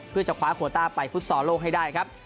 เพื่อจะคว้าโคต้าไปฟุตซอลโลกให้ได้ครับ